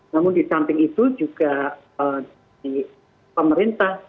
namun di samping itu juga di pemerintah